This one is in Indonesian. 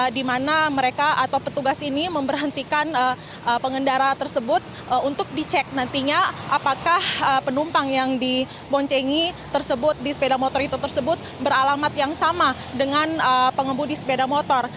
di mana mereka atau petugas ini memberhentikan pengendara tersebut untuk dicek nantinya apakah penumpang yang diboncengi tersebut di sepeda motor itu tersebut beralamat yang sama dengan pengembudi sepeda motor